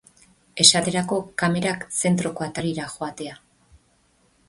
Esaterako, kamerak zentroko atarira joatea.